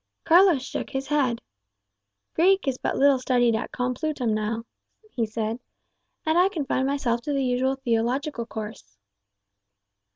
Carlos shook his head. "Greek is but little studied at Complutum now," he said, "and I confined myself to the usual theological course."